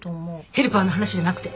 ヘルパーの話じゃなくて。